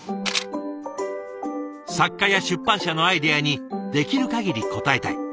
作家や出版社のアイデアにできる限り応えたい。